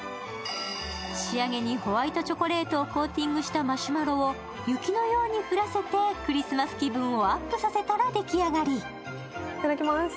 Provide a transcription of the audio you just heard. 仕上げにホワイトチョコレートをコーティングしたマシュマロを雪のように降らせてクリスマス気分をアップさせたら出来上がり。